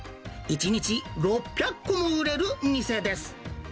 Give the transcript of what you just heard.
１日６００個も売れる店です。